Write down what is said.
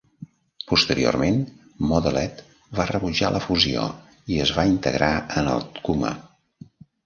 Posteriorment, Moledet va rebutjar la fusió i es va integrar en el Tkuma.